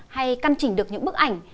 hay căn chỉnh được những bức ảnh